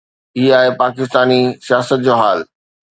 هي آهي پاڪستاني سياست جو حال.